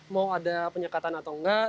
mau ada penyekatan atau enggak